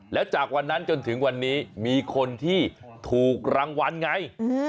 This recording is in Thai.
แล้วจากวันนั้นจนถึงวันนี้มีคนที่ถูกรางวัลไง